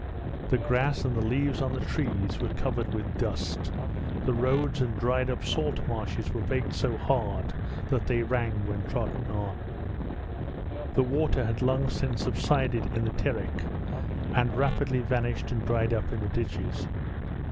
The grass and the leaves on the trees were covered with dust, the roads and dried up salt marshes were baked so hard that they rang when trodden on. The water had long since subsided in the Terek and rapidly vanished and dried up in the ditches.